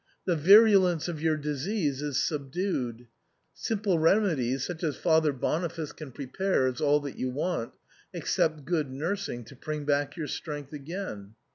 The virulence of your dis ease is subdued ; simple remedies such as Father Bon iface can prepare is all that you want, except good nursing, to bring back your strength again.